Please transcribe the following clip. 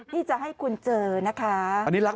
แบบนี้เลย